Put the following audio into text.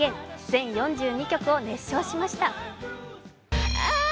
全４２曲を熱唱しました。